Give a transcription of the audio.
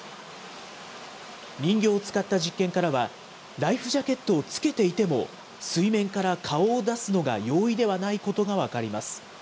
人形を使った実験からは、ライフジャケットを着けていても水面から顔を出すのが容易ではないことが分かります。